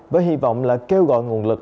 với hy vọng là kêu gọi nguồn lực